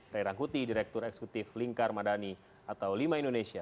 ray rangkuti direktur eksekutif lingkar madani atau lima indonesia